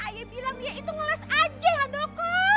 ayah bilang dia itu ngeles aja handoko